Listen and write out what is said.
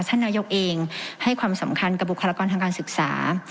ท่านนายกเองให้ความสำคัญกับบุคลากรทางการศึกษา